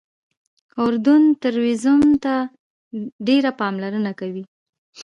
اردن ټوریزم ته ډېره پاملرنه کوي.